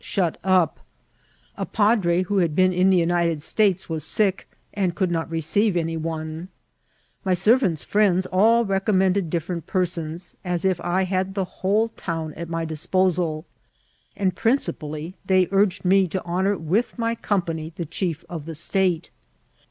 ■hut up ; a padre who had been in the United States was sick, and coold not receiye any one ; my serrant's firiends all recommended different persons, as if I had the whole town at my disposal ; and principally they urged me to honour with my company the chief of the state.